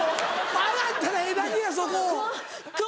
上がったらええだけやそこ。